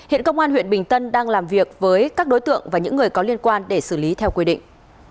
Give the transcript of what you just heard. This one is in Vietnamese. hiện công an huyện bình tân đang làm việc với các đối tượng và những người có liên quan để xử lý theo quy định